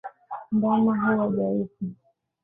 Ndama huwa dhaifu